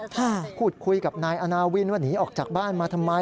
พูดคุยกับนายอาณาวินว่าหนีออกจากบ้านมาทำไม